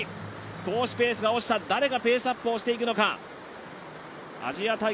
少しペースが落ちた誰がペースアップをしていくのか。